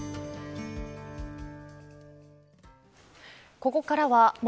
ここからは元